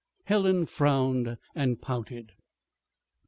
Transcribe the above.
Helen frowned and pouted.